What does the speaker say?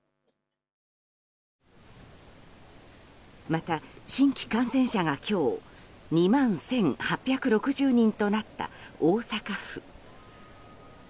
また、新規感染者が今日２万１８６０人となった大阪府。